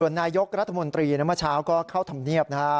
นายกรัฐมนตรีเมื่อเช้าก็เข้าธรรมเนียบนะฮะ